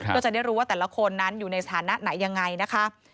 ก็จะได้รู้ว่าแต่ละคนนั้นอยู่ในสถานะไหนยังไงนะคะ